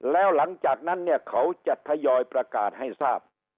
แล้วหลังจากนั้นเนี่ยเขาจะทยอยประกาศให้ทราบ